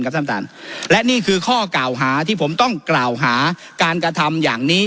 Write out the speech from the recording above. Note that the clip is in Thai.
ท่านท่านและนี่คือข้อกล่าวหาที่ผมต้องกล่าวหาการกระทำอย่างนี้